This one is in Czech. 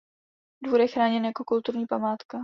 Dvůr je chráněn jako kulturní památka.